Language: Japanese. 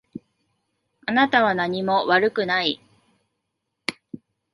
あなたは何も悪くない。